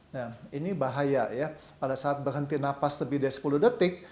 nah ini bahaya ya pada saat berhenti nafas lebih dari sepuluh detik